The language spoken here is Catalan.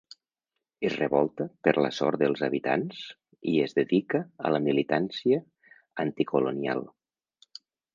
Es revolta per la sort dels habitants i es dedica a la militància anticolonial.